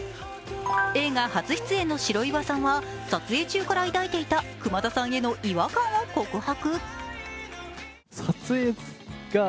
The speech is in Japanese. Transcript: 映画初出演の白岩さんは撮影中から抱いていた、久間田さんへの違和感を告白。